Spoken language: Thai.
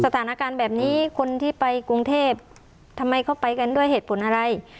สถานการณ์แบบนี้คนที่ไปกรุงเทพทำไมเขาไปกันด้วยเหตุผลอะไร